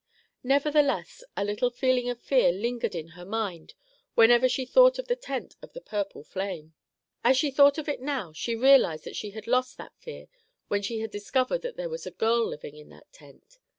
Nevertheless, a little feeling of fear lingered in her mind whenever she thought of the tent of the purple flame. As she thought of it now she realized that she had lost that fear when she had discovered that there was a girl living in that tent.